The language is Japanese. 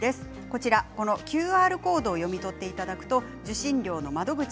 こちらのＱＲコードを読み取っていただくと受信料の窓口